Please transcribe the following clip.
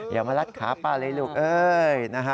อย่ามารัดขาป้าเลยลูกเอ้ยนะฮะ